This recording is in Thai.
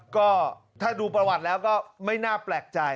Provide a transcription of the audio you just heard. ก็ถ้าดูประวัติแล้วก็ไม่น่าแปลกใจ